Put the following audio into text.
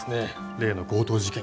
例の強盗事件。